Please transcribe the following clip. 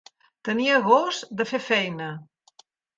Tenia gos de fer feina.